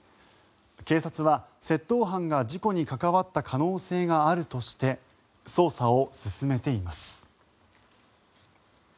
警察は窃盗犯が事故に関わった可能性があるとして捜査を進めています。